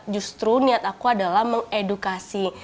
justru niat aku adalah mengedukasi